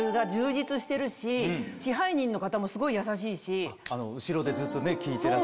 支配人の方もすごい優しい。